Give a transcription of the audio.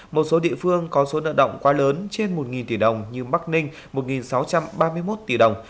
một số địa phương có số nợ động quá lớn trên một tỷ đồng như bắc ninh một sáu trăm ba mươi một tỷ đồng